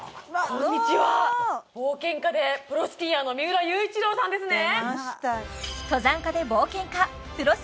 こんにちは冒険家でプロスキーヤーの三浦雄一郎さんですね